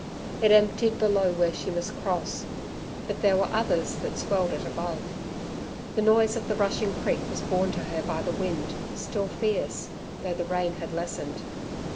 It emptied below where she must cross. But there were others that swelled it above. The noise of the rushing creek was borne to her by the wind, still fierce, though the rain had lessened.